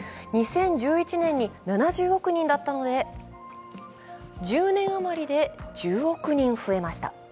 ２０１１年に７０億人だったので、１０年余りで１０億人増えました。